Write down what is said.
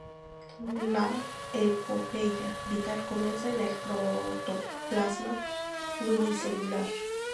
La epopeya vital comienza en el protoplasma unicelular.